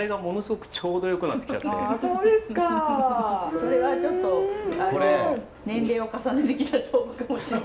それはちょっと年齢を重ねてきた証拠かもしれない。